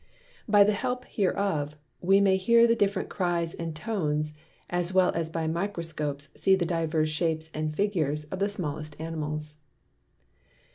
By the help hereof we may hear the different Cries and Tones, as well as by Microscopes see the divers Shapes and Figures of the smallest Animals.